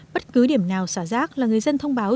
bất cứ điểm nào xả rác là người dân thông báo